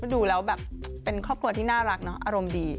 ดูแล้วแบบเป็นครอบครัวที่น่ารักเนาะอารมณ์ดี